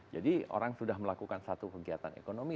jadi orang sudah melakukan satu kegiatan ekonomi